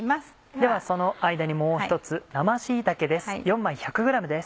ではその間にもう一つ生椎茸です。